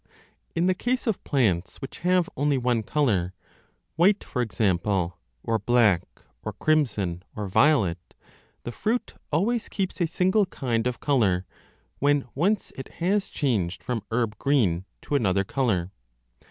In the case of plants which have only one colour white, for example, or black or crimson or violet the fruit always keeps a single kind of colour, when once it has changed from 5 herb green to another colour.